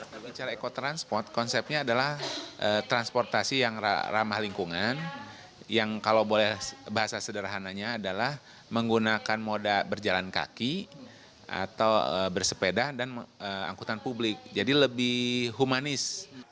kalau bicara ekotransport konsepnya adalah transportasi yang ramah lingkungan yang kalau boleh bahasa sederhananya adalah menggunakan moda berjalan kaki atau bersepeda dan angkutan publik jadi lebih humanis